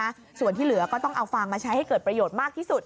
อันนี้คือไหมนี่